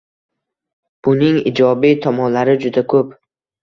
Buning ijobiy tomonlari juda ko‘p.